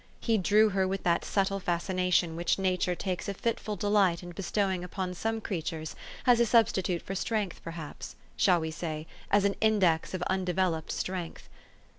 He drew her with that subtle fascination which Nature takes a fitful delight in bestowing upon some crea tures as a substitute for strength, perhaps, shall we say ? as an index of undeveloped strength.